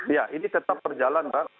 iya ini tetap berjalan mbak